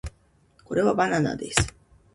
これはバナナです